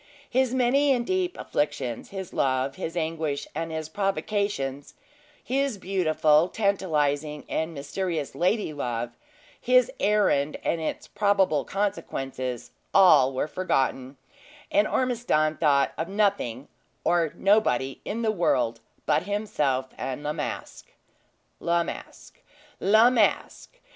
His many and deep afflictions, his love, his anguish, and his provocations; his beautiful, tantalizing, and mysterious lady love; his errand and its probable consequences, all were forgotten; and Ormiston thought of nothing or nobody in the world but himself and La Masque. La Masque! La Masque!